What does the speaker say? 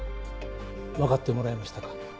分かってもらえましたか。